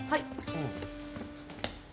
うん。